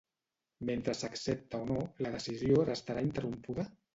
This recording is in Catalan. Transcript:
Mentre s'accepta o no, la decisió restarà interrompuda?